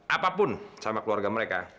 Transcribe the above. apapun sama keluarga mereka